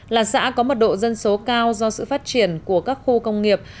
là xã có mật độ dân số cao do sự phát triển của các khu công nghiệp